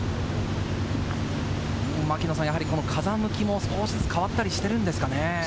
牧野さん、やはり風向きも少しずつ変わったりしてるんですかね。